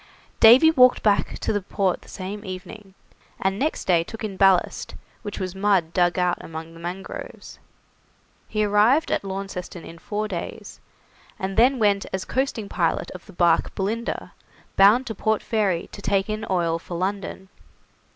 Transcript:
Davy walked back to the port the same evening, and next day took in ballast, which was mud dug out among the mangroves. He arrived at Launceston in four days, and then went as coasting pilot of the barque 'Belinda', bound to Port Fairy to take in oil for London.